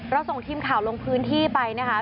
ส่งทีมข่าวลงพื้นที่ไปนะคะ